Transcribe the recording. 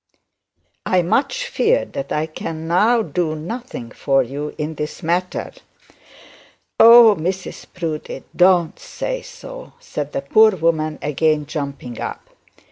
I much fear that I can now do nothing for you in this matter.' 'Oh! Mrs Proudie don't say so,' said the poor woman, again jumping up.